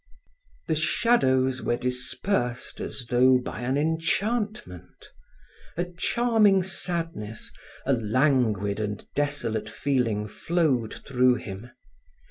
The shadows were dispersed as though by an enchantment. A charming sadness, a languid and desolate feeling flowed through him.